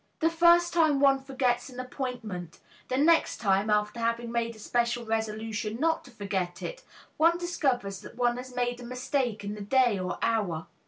The first time one forgets an appointment; the next time, after having made a special resolution not to forget it, one discovers that one has made a mistake in the day or hour.